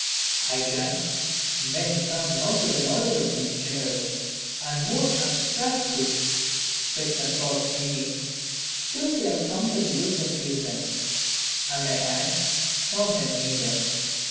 I grant, men come not to the knowledge of these general and more abstract truths, which are thought innate, till they come to the use of reason; and I add, nor then neither.